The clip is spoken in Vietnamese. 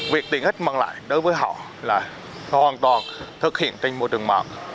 việc tiện ích mang lại đối với họ là hoàn toàn thực hiện trên môi trường mạng